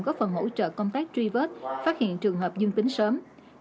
góp phần hỗ trợ công tác truy vết phát hiện trường hợp dương tính sớm